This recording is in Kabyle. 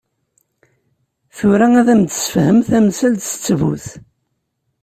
Tura ad am-d-ssfehmeɣ tamsalt s ttbut.